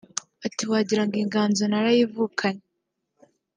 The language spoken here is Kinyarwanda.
Ati “Wagira ngo inganzo narayivukanye